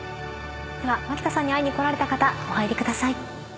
では蒔田さんに会いに来られた方お入りください。